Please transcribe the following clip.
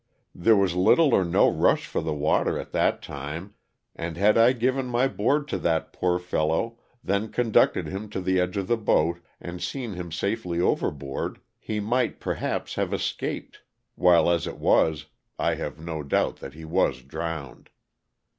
There was little or no rush for the water at that time and had I given my board to that poor fellow, then conducted him to the edge of the boat and seen him safely overboard, he might, perhaps, have escaped, while, as it was, I have no doubt that he was drowned.